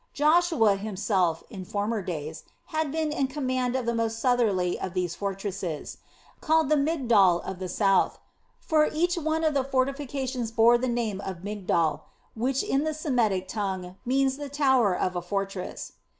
Joshua himself, in former days, had been in command of the most southerly of these fortresses, called the Migdol of the South; for each one of the fortifications bore the name of Migdol, which in the Semitic tongue means the tower of a fortress.